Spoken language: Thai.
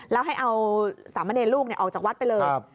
แล้วให้เอาสามเณรลูกออกจากวัดไปเลย